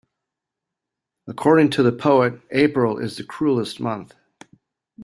According to the poet, April is the cruellest month